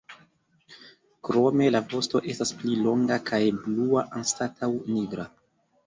Krome la vosto estas pli longa kaj blua anstataŭ nigra.